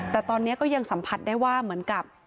แต่ตอนนี้ก็ยังสัมผัสได้ว่าเหมือนกับ